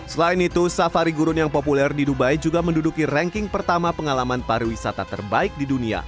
selain itu safari gurun yang populer di dubai juga menduduki ranking pertama pengalaman pariwisata terbaik di dunia